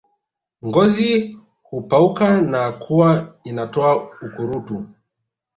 Ngozi hupauka na kuwa inatoa ukurutu